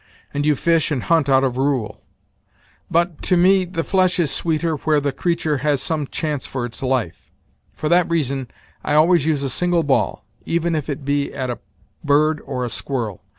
And you fish and hunt out of rule; but, to me, the flesh is sweeter where the creatur' has some chance for its life; for that reason, I always use a single ball, even if it be at a bird or a squirrel.